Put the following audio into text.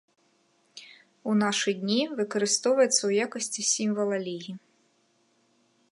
У нашы дні выкарыстоўваецца ў якасці сімвала лігі.